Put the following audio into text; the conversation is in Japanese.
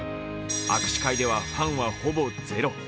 握手会ではファンはほぼゼロ。